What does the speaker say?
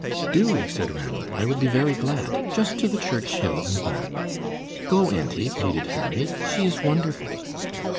"Do," said Ranald; "I would be very glad. Just to the church hill and back." "Go, auntie," pleaded Harry. "She is wonderful."